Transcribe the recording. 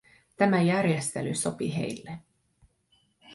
Tämä järjestely sopi heille.